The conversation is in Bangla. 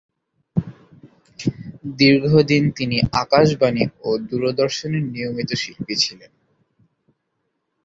দীর্ঘদিন তিনি আকাশবাণী ও দূরদর্শনের নিয়মিত শিল্পী ছিলেন।